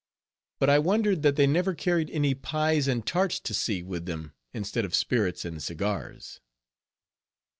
But I wondered that they never carried any pies and tarts to sea with them, instead of spirits and cigars.